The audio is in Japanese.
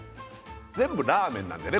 全部「ラーメン」なんだよね